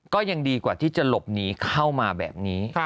ก็ยังดีกว่าที่จะหลบหนีเข้ามาแบบนี้